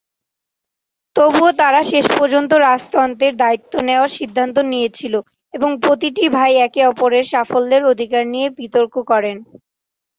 তবুও, তাঁরা শেষ পর্যন্ত রাজতন্ত্রের দায়িত্ব নেওয়ার সিদ্ধান্ত নিয়েছিল এবং প্রতিটি ভাই একে অপরের সাফল্যের অধিকার নিয়ে বিতর্ক করেন।